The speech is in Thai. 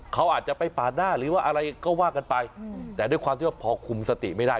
เขาอาจจะไปปาดหน้าหรือว่าอะไรก็ว่ากันไปแต่ด้วยความที่ว่าพอคุมสติไม่ได้